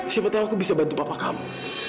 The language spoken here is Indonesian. siapa tahu aku bisa bantu papa kamu